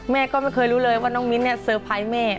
แม่ก็ไม่เคยรู้เลยว่าน้องมิ้นเนี่ยเซอร์ไพรส์แม่